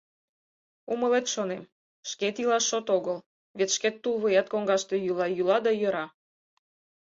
Умылет, шонем, шкет илаш шот огыл, вет шкет тулвуят коҥгаште йӱла, йӱла да йӧра.